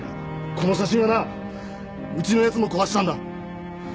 この写真はなうちの奴も壊したんだ。